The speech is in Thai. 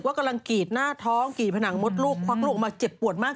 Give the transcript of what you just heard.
กำลังกรีดหน้าท้องกรีดผนังมดลูกควักลูกออกมาเจ็บปวดมาก